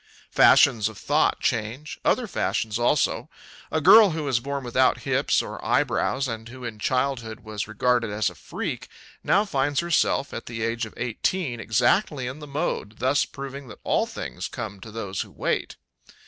Fashions of thought change; other fashions, also. A girl who was born without hips or eyebrows and who in childhood was regarded as a freak, now finds herself, at the age of eighteen, exactly in the mode, thus proving that all things come to those who wait.